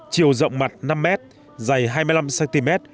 chiều rộng mặt năm m dày hai mươi năm cm